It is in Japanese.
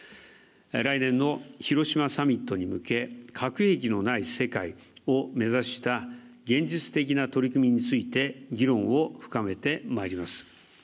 来年の広島サミットに向け核兵器のない世界を目指した現実的な取り組みについて議論を深めてまいります。